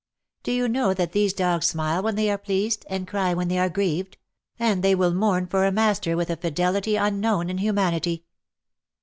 " Do you know that these dogs smile when they are pleased, and cry when they are grieved — and they will mourn for a master with a fidelity unknown in humanity.'